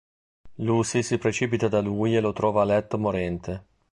Lucy si precipita da lui e lo trova a letto morente.